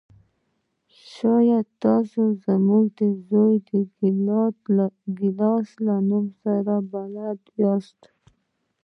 شاید تاسو زما د زوی ډګلاس له نوم سره بلد یاست